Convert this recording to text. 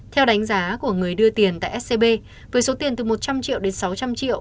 theo đánh giá của người đưa tiền tại scb với số tiền từ một trăm linh triệu đến sáu trăm linh triệu